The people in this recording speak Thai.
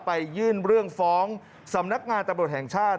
ยื่นเรื่องฟ้องสำนักงานตำรวจแห่งชาติ